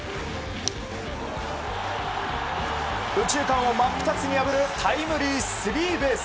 右中間を真っ二つに破るタイムリースリーベース。